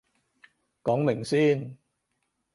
講明先